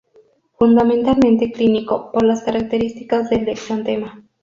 Fundamentalmente clínico, por las características del exantema.